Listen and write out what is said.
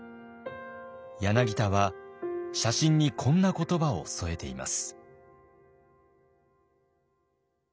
柳田は写真にこんな言葉を添えています。